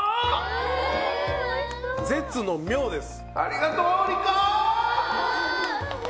絶の妙です。